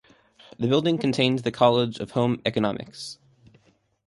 The building contained the College of Home Economics.